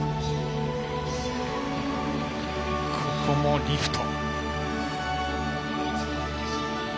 ここもリフト。